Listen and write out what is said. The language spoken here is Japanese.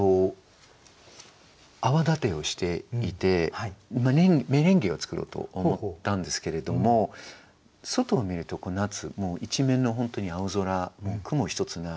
泡立てをしていてメレンゲを作ろうと思ったんですけれども外を見ると夏もう一面の本当に青空雲一つない。